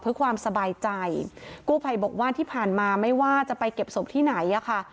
เพื่อความสบายใจกู้ภัยบอกว่าที่ผ่านมาไม่ว่าจะไปเก็บศพที่ไหนอ่ะค่ะ